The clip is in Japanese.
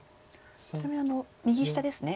ちなみに右下ですね。